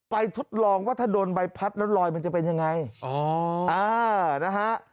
ทดลองว่าถ้าโดนใบพัดแล้วลอยมันจะเป็นยังไงอ๋ออ่านะฮะ